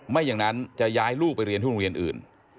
ไม่อย่างนั้นจะย้ายลูกไปเรียนที่โรงเรียนอื่น